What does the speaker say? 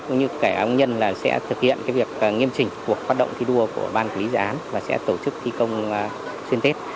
cũng như ông nhân sẽ thực hiện việc nghiêm trình cuộc phát động thi đua của ban quỹ lý dự án và sẽ tổ chức thi công xuyên tết